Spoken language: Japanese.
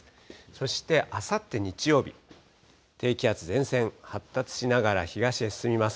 そしてあさって日曜日、低気圧、前線、発達しながら東へ進みます。